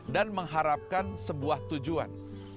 dan mengharapkan sebuah tujuan